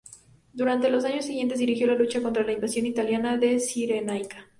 Durante los años siguientes, dirigió la lucha contra la invasión italiana de Cirenaica.